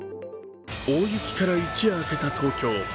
大雪から一夜明けた東京。